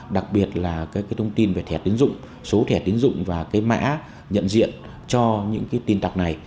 đặc biệt là thông tin về thẻ tiến dụng số thẻ tiến dụng và mã nhận diện cho những tin tặc này